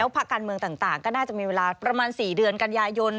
พักการเมืองต่างก็น่าจะมีเวลาประมาณ๔เดือนกันยายน